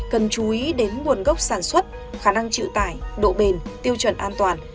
cần chú ý đến nguồn gốc sản xuất khả năng chịu tải độ bền tiêu chuẩn an toàn